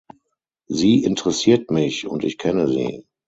Sie interessiert mich, und ich kenne sie.